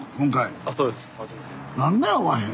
何で会わへん？